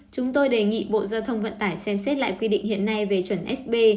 chúng tôi đề nghị bộ giao thông vận tải xem xét lại quy định hiện nay về chuẩn sb